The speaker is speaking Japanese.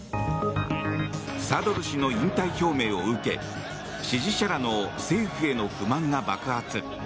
サドル師の勇退表明を受け支持者らの政府への不満が爆発。